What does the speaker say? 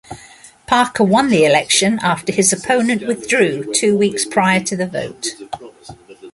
Parker won the election after his opponent withdrew two weeks prior to the vote.